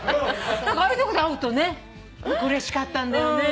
ああいうとこで会うとねうれしかったんだよね。